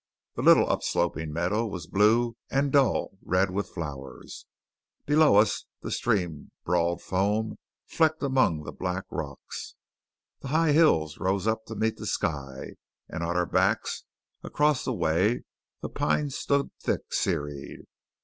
The little up sloping meadow was blue and dull red with flowers; below us the stream brawled foam flecked among black rocks; the high hills rose up to meet the sky, and at our backs across the way the pines stood thick serried.